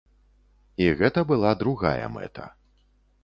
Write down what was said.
І гэта была другая мэта.